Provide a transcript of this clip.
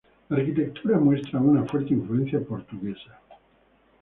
La arquitectura muestra una fuerte influencia portuguesa.